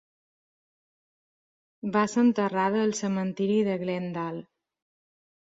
Va ser enterrada al Cementiri de Glendale.